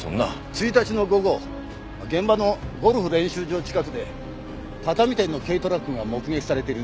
１日の午後現場のゴルフ練習場近くで畳店の軽トラックが目撃されているんですよ。